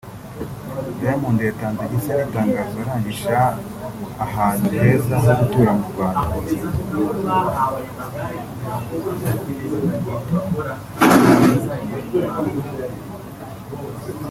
Diamond yatanze igisa n’itangazo arangisha ahantu heza ho gutura mu Rwanda